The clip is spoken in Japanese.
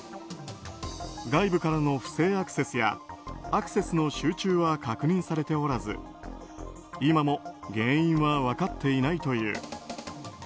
外部からの不正アクセスやアクセスの集中は確認されておらず今も原因は分かっていないという。